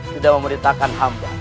tidak memerintahkan hamba